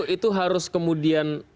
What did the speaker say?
itu harus kemudian